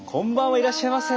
いらっしゃいませ。